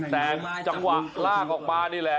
แต่จังหวะลากออกมานี่แหละ